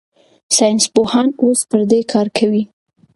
ساینسپوهان اوس پر دې کار کوي.